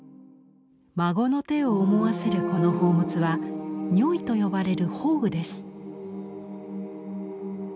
孫の手を思わせるこの宝物は「如意」と呼ばれる法具です。